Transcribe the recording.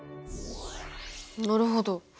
なるほど。